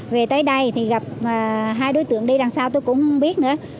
về tới đây thì gặp hai đối tượng đi đằng sau tôi cũng biết nữa